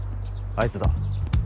あいつだ。